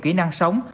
kỹ năng sống